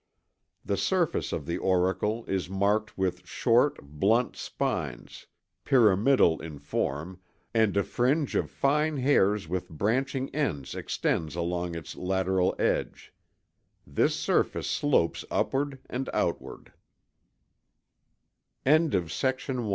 The surface of the auricle is marked with short, blunt spines, pyramidal in form, and a fringe of fine hairs with branching ends extends along its lateral edge. This surface slopes upward and outward. [Illustration: Fig. 2.